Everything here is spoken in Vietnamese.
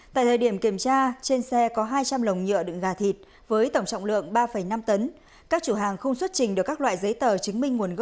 tại thời điểm kiểm tra trên xe có hai trăm linh lồng nhựa đựng